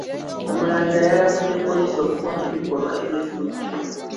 Omulangira yalabudde poliisi okukomya ebikolwa eby’efujjo.